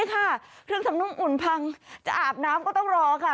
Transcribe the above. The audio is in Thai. ใช่ค่ะเครื่องทำนุ่มอุ่นพังจะอาบน้ำก็ต้องรอค่ะ